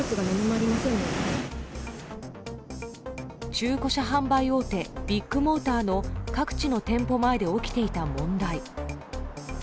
中古車販売大手ビッグモーターの各地の店舗前で起きていた問題。